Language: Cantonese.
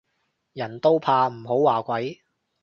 人都怕唔好話鬼